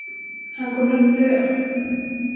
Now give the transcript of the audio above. Han kommer att dö.